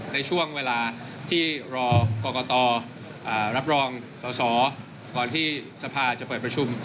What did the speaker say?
ในช่วงเวลาที่รอกรกตรับรองสอสอก่อนที่สภาจะเปิดประชุม